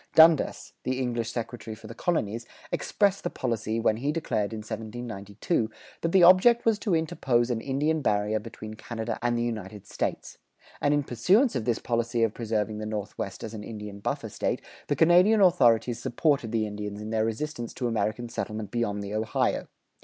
Dundas, the English secretary for the colonies, expressed the policy, when he declared, in 1792, that the object was to interpose an Indian barrier between Canada and the United States; and in pursuance of this policy of preserving the Northwest as an Indian buffer State, the Canadian authorities supported the Indians in their resistance to American settlement beyond the Ohio.